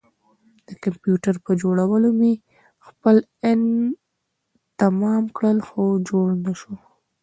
د کمپيوټر پر جوړولو مې خپل ان تمام کړ خو جوړ نه شو.